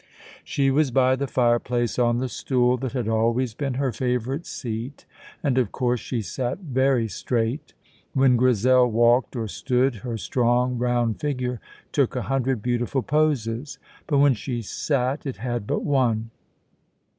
She was by the fireplace, on the stool that had always been her favourite seat, and of course she sat very straight. When Grizel walked or stood her strong, round figure took a hundred beautiful poses, but when she sat it had but one.